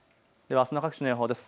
あすの各地の予報です。